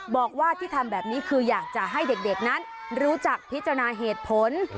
บอกว่าที่ทำแบบนี้คืออยากจะให้เด็กนั้นรู้จักพิจารณาเหตุผล